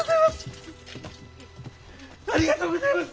ありがとうごぜます！